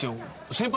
先輩